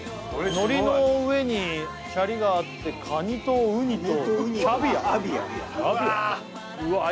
のりの上にシャリがあってカニとウニとキャビアうわっ